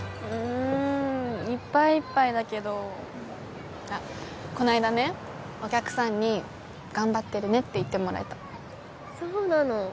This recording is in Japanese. うんいっぱいいっぱいだけどあっこないだねお客さんに頑張ってるねって言ってもらえたそうなの？